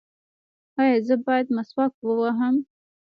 ایا زه باید مسواک ووهم؟